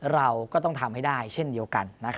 เราก็ต้องทำให้ได้เช่นเดียวกัน